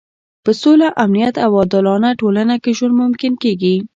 په سوله، امنیت او عادلانه ټولنه کې ژوند ممکن کېږي.